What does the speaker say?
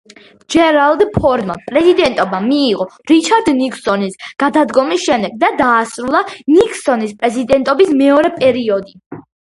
ჯერალდ ფორდმა პრეზიდენტობა მიიღო რიჩარდ ნიქსონის გადადგომის შემდეგ და დაასრულა ნიქსონის პრეზიდენტობის მეორე პერიოდი.